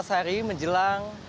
empat belas hari menjelang